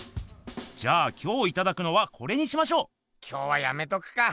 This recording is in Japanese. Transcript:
じゃあ今日いただくのはこれにしましょう！今日はやめとくか。